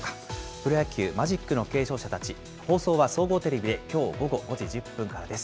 プロ野球マジックの継承者たち、放送は総合テレビできょう午後５時１０分からです。